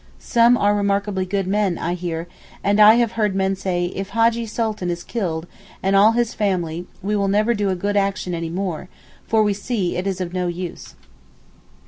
Some are remarkably good men, I hear, and I have heard men say 'if Hajjee Sultan is killed and all his family we will never do a good action any more, for we see it is of no use.